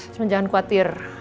cuman jangan khawatir